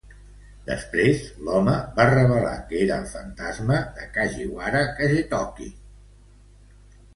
Després, l'home va revelar que era el fantasma de Kajiwara Kagetoki.